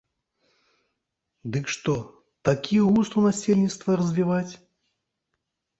Дык што, такі густ у насельніцтва развіваць?